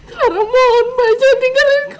clara mohon ma jangan tinggalin clara